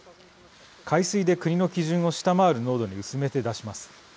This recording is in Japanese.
海水で国の基準を下回る濃度に薄めて出します。